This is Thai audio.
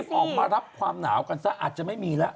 ออกมารับความหนาวกันซะอาจจะไม่มีแล้ว